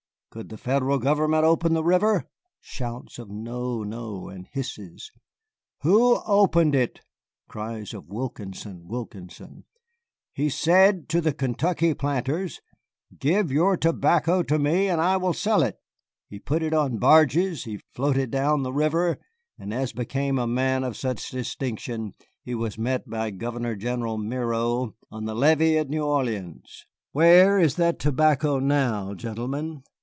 Could the Federal government open the river? [shouts of 'No, no!' and hisses]. Who opened it? [cries of 'Wilkinson, Wilkinson!']. He said to the Kentucky planters, 'Give your tobacco to me, and I will sell it.' He put it in barges, he floated down the river, and, as became a man of such distinction, he was met by Governor general Miro on the levee at New Orleans. Where is that tobacco now, gentlemen?"